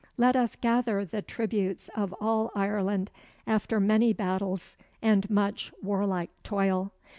Let us gather the tributes of all Ireland, after many battles and much warlike toil.